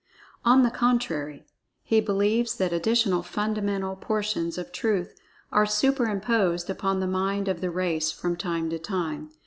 On the contrary, he believes that additional fundamental portions of Truth are super imposed upon the mind of the race from time to time.